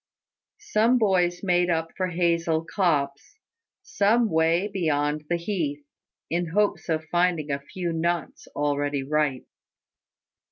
Some boys made for a hazel copse, some way beyond the heath, in hopes of finding a few nuts already ripe.